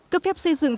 cấp phép xây dựng